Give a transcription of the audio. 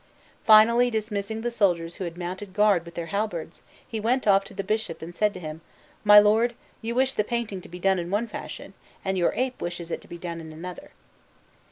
Finally, dismissing the soldiers who had mounted guard with their halberds, he went off to the Bishop and said to him: "My lord, you wish the painting to be done in one fashion, and your ape wishes it done in another."